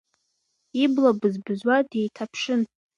Ибла бызбызуа, деиҭаԥшын.